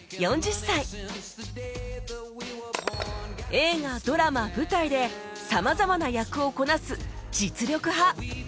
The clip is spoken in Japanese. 映画ドラマ舞台でさまざまな役をこなす実力派